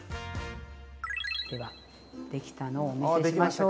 ではできたのをお見せしましょう。